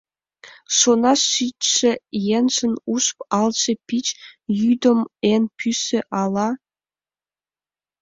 Шонаш шичше еҥжын уш алже Пич йӱдым эн пӱсӧ ала?